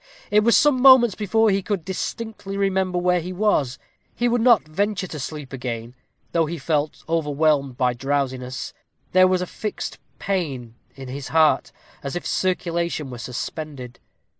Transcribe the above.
It was some moments before he could distinctly remember where he was. He would not venture to sleep again, though he felt overwhelmed by drowsiness there was a fixed pain at his heart, as if circulation were suspended.